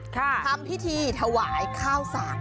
ทำพิธีถวายข้าวสาก